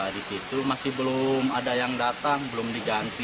di situ masih belum ada yang datang belum diganti